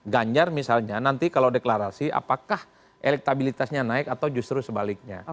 ganjar misalnya nanti kalau deklarasi apakah elektabilitasnya naik atau justru sebaliknya